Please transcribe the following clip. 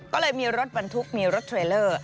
ก็เลยมีรถบรรทุกมีรถเทรลเลอร์